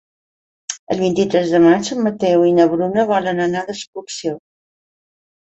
El vint-i-tres de maig en Mateu i na Bruna volen anar d'excursió.